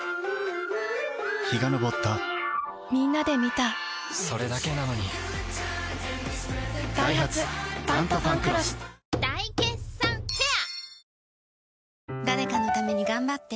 陽が昇ったみんなで観たそれだけなのにダイハツ「タントファンクロス」大決算フェア